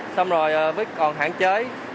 xong rồi còn hạn chế